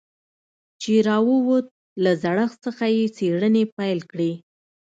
چې راووت له زړښت څخه يې څېړنې پيل کړې.